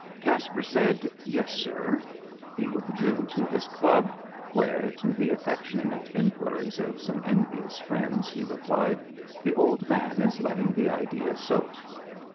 Caspar said, "Yes, sir." He withdrew to his club, where, to the affectionate inquiries of some envious friends, he replied, "The old man is letting the idea soak."